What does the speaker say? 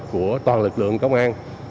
của toàn lực lượng công an